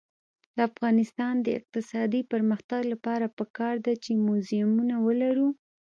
د افغانستان د اقتصادي پرمختګ لپاره پکار ده چې موزیمونه ولرو.